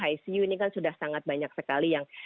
icu ini kan sudah sangat banyak sekali yang